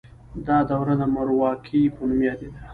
دا دوره د مورواکۍ په نوم یادیده.